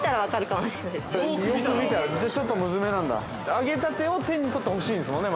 揚げたてを手に取ってほしいですもんね。